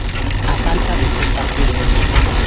Á falta de tres partidos.